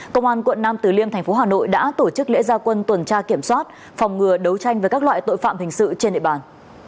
công an quận nam từ liêm thành phố hà nội đã tổ chức lễ gia quân tuần tra kiểm soát phòng ngừa đấu tranh với các loại tội phạm hình sự trên địa bàn